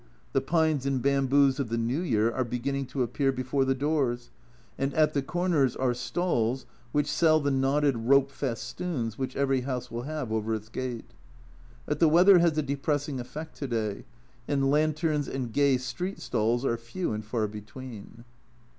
The pines and bamboos of the New Year are beginning to appear before the doors, 254 A Journal from Japan and at the corners are stalls which sell the knotted rope festoons which every house will have over its gate. But the weather has a depressing effect to day, and lanterns and gay street stalls are few and far between.